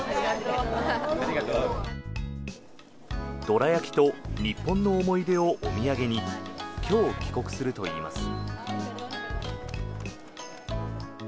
どら焼きと日本の思い出をお土産に今日、帰国するといいます。